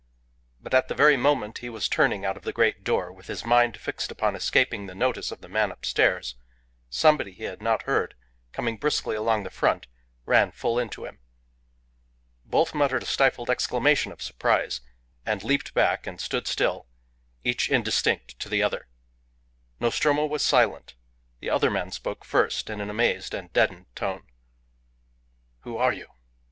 But at the very moment he was turning out of the great door, with his mind fixed upon escaping the notice of the man upstairs, somebody he had not heard coming briskly along the front ran full into him. Both muttered a stifled exclamation of surprise, and leaped back and stood still, each indistinct to the other. Nostromo was silent. The other man spoke first, in an amazed and deadened tone. "Who are you?"